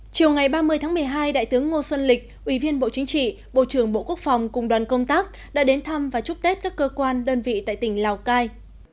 chiều ngày ba mươi tháng một mươi hai đại tướng ngô xuân lịch ủy viên bộ chính trị bộ trưởng bộ quốc phòng cùng đoàn công tác đã đến thăm và chúc tết các cơ quan đơn vị tại tỉnh lào cai